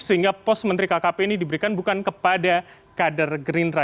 sehingga pos menteri kkp ini diberikan bukan kepada kader gerindra